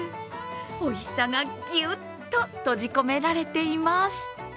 おいしさがギュッと閉じ込められています。